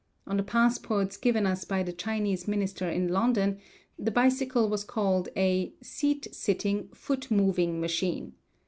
On the passports given us by the Chinese minister in London the bicycle was called "a seat sitting, foot moving machine."